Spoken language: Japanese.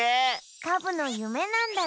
カブのゆめなんだね。